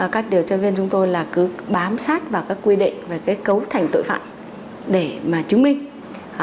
các điều tra viên chúng tôi là cứ bám sát vào các quy định về cái cấu thành tội phạm để mà chứng minh